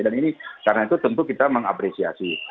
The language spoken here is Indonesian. dan ini karena itu tentu kita mengapresiasi